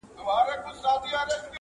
پر بل مخ سوه هنګامه په یوه آن کي!.